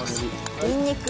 にんにく。